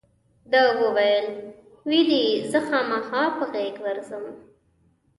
ده وویل وی دې زه خامخا په غېږ ورځم.